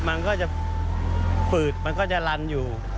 มันก็จะฝืดมันก็จะลันอยู่